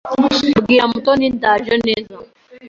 Bwira Mutoni ndaje neza.